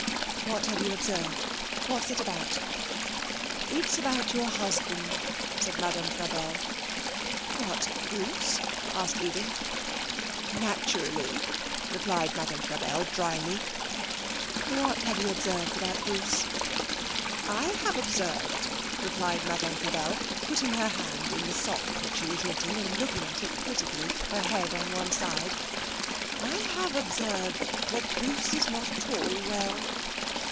'What have you observed? What's it about?' 'It is about your husband,' said Madame Frabelle. 'What! Bruce?' asked Edith. 'Naturally,' replied Madame Frabelle dryly. 'What have you observed about Bruce?' 'I have observed,' replied Madame Frabelle, putting her hand in the sock that she was knitting, and looking at it critically, her head on one side, 'I have observed that Bruce is not at all well.'